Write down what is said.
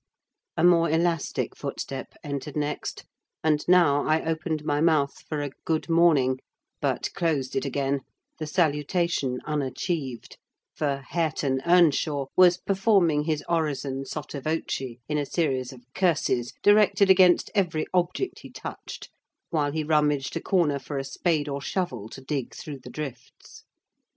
A more elastic footstep entered next; and now I opened my mouth for a "good morning," but closed it again, the salutation unachieved; for Hareton Earnshaw was performing his orison sotto voce, in a series of curses directed against every object he touched, while he rummaged a corner for a spade or shovel to dig through the drifts.